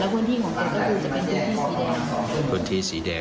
และบริเวณที่ของกับคุณจะเป็นบริเวณที่สีแดง